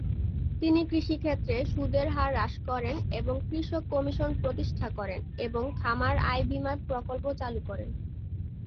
তিনি কৃষিক্ষেত্রে সুদের হার হ্রাস করেন এবং কৃষক কমিশন প্রতিষ্ঠা করেন এবং খামার আয় বীমা প্রকল্প চালু করেন।